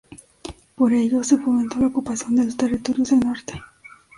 Por ello se fomentó la ocupación de los territorios del norte.